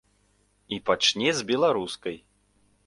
І пачне з беларускай.